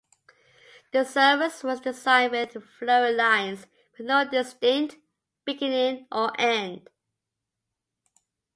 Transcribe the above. The Cirrus was designed with flowing lines with no distinct beginning or end.